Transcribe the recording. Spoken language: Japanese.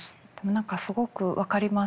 何かすごく分かります。